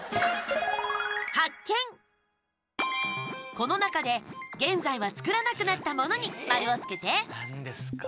この中で現在は作らなくなったものに丸をつけて何ですか？